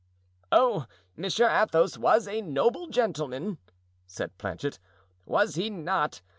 "Oh, Monsieur Athos was a noble gentleman," said Planchet, "was he not?